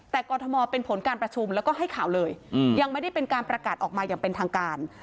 แต่กรทมเป็นผลการประชุมแล้วก็ให้ข่าวเลยยังไม่ได้เป็นการประกาศออกมาอย่างเป็นทางการ